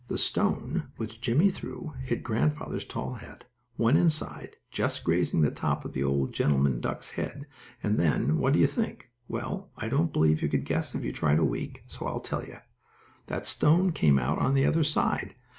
The stone which Jimmie threw hit grandfather's tall hat, went inside, just grazing the top of the old gentleman duck's head, and then, what do you think? Well, I don't believe you could guess if you tried a week, so I'll tell you. That stone came out on the other side.